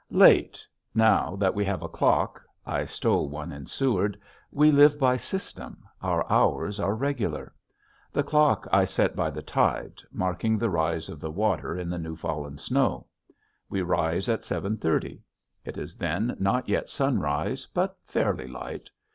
Late! Now that we have a clock I stole one in Seward we live by system, our hours are regular. The clock I set by the tide, marking the rise of the water in the new fallen snow. We rise at 7.30. It is then not yet sunrise but fairly light.